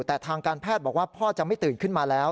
แต่ทางการแพทย์บอกว่าพ่อจะไม่ตื่นขึ้นมาแล้ว